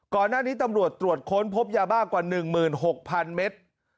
ก่อนหน้านี้ตำรวจตรวจค้นพบยาบ้ากว่า๑๖๐๐๐เมตร